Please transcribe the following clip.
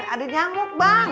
ada nyamuk bang